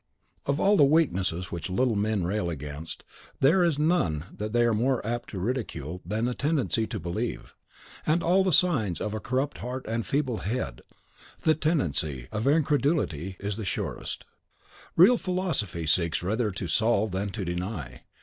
Of all the weaknesses which little men rail against, there is none that they are more apt to ridicule than the tendency to believe. And of all the signs of a corrupt heart and a feeble head, the tendency of incredulity is the surest. Real philosophy seeks rather to solve than to deny.